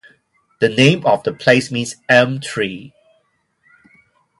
The name of the place means "Elm Tree".